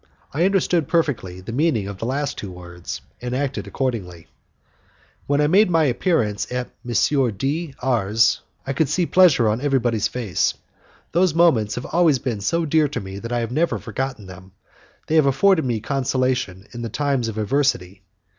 I understood perfectly the meaning of the two last words, and acted accordingly. When I made my appearance at M. D R 's, I could see pleasure on everybody's face. Those moments have always been so dear to me that I have never forgotten them, they have afforded me consolation in the time of adversity.